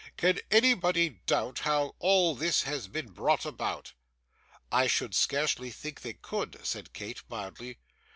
Can anybody doubt how all this has been brought about?' 'I should scarcely think they could,' said Kate mildly.